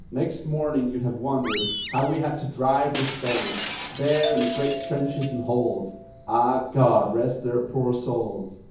Next morning, you'd have wondered How we had to drive the spade! There, in great trenches and holes (Ah, God rest their poor souls!)